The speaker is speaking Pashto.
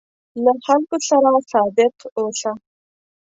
له خلکو سره صادق اوسه.